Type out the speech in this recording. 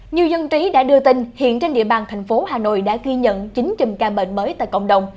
nhiều dân trí đã đưa tin hiện trên địa bàn thành phố hà nội đã ghi nhận chín trăm linh ca bệnh mới tại cộng đồng